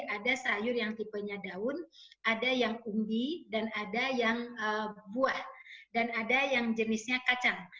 ada sayur yang tipenya daun ada yang umbi dan ada yang buah dan ada yang jenisnya kacang